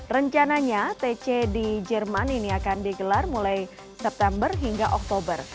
rencananya tc di jerman ini akan digelar mulai september hingga oktober